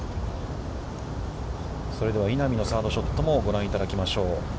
それでは稲見のサードショットもご覧いただきましょう。